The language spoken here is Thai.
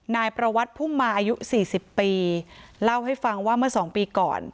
นายประวัติพุ่มมาอายุ๔๐ปีเล่าให้ฟังว่าเมื่อ๒ปีก่อน